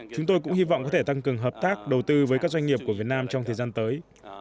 chúng tôi cũng hy vọng có thể tăng cường hợp tác đầu tư với các doanh nghiệp của việt nam trong thời gian tới